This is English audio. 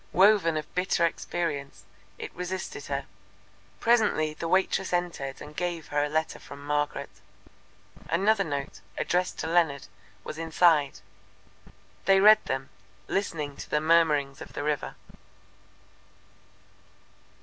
Woven of bitter experience, it resisted her. Presently the waitress entered and gave her a letter from Margaret. Another note, addressed to Leonard, was inside. They read them, listening to the murmurings of the river.